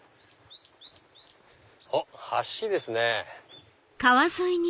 あっ橋ですね。